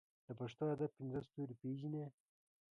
د پښتو ادب پنځه ستوري پېژنې.